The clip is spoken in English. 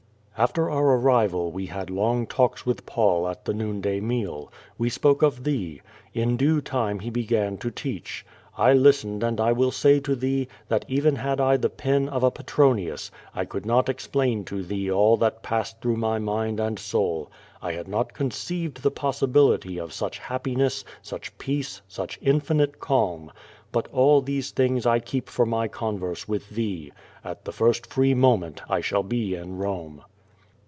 After our arrival we had long talks with Paul at the noon day meal. We spoke of thee. In due time he began to teach. I listened and I will say to thee, tliat even had I the pen of a Petronius, 1 could not explain to thee all that passed through my mind and soul. I had not conceived the possibility of such happiness, such peace, such infinite calm. But all these 284 ^^^ VADIS. things I keep for my converse with thee. At the first free moment I shall be in Rome.